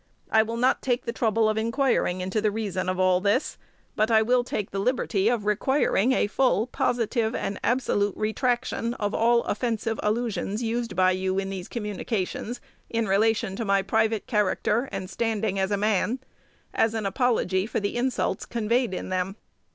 I will not take the trouble of inquiring into the reason of all this; but I will take the liberty of requiring a full, positive, and absolute retraction of all offensive allusions used by you in these communications, in relation to my private character and standing as a man, as an apology for the insults conveyed in them.